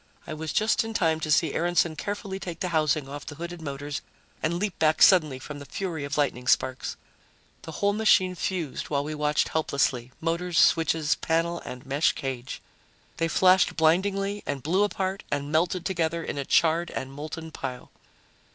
I was just in time to see Aaronson carefully take the housing off the hooded motors, and leap back suddenly from the fury of lightning sparks. The whole machine fused while we watched helplessly motors, switches, panel and mesh cage. They flashed blindingly and blew apart and melted together in a charred and molten pile.